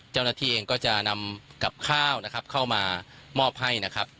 เจ้าหน้าที่เองก็จะนำกับข้าวนะครับเข้ามามอบให้นะครับ